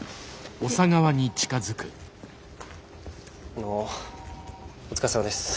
あのお疲れさまです。